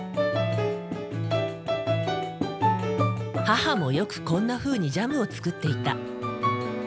母もよくこんなふうにジャムを作っていた。